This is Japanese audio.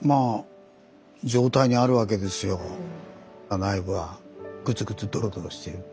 内部はグツグツドロドロしている。